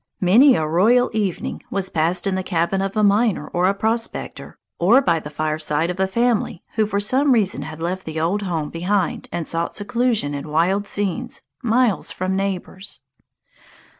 Many a royal evening was passed in the cabin of a miner or a prospector, or by the fireside of a family who for some reason had left the old home behind and sought seclusion in wild scenes, miles from neighbors.